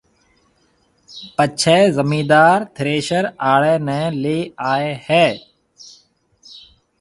پڇيَ زميندار ٿريشر آݪي نَي ليَ آئي هيَ۔